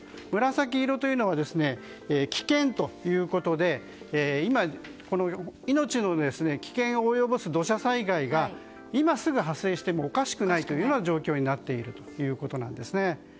紫色というのは危険ということで命に危険を及ぼす土砂災害が今すぐに発生してもおかしくない状況になっています。